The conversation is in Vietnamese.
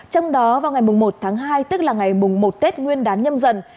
trong đó vào ngày một tháng hai tức là ngày một tết nguyên đán nhâm dần